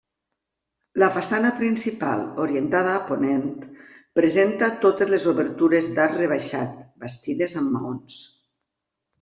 La façana principal, orientada a ponent, presenta totes les obertures d'arc rebaixat bastides amb maons.